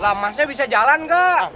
lamasnya bisa jalan kak